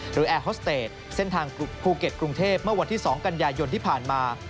แอร์ฮอสเตจเส้นทางภูเก็ตกรุงเทพเมื่อวันที่๒กันยายนที่ผ่านมา